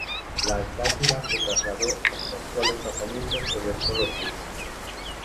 La Antártida se trasladó a su actual emplazamiento sobre el Polo Sur.